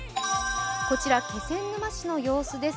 こちら、気仙沼市の様子です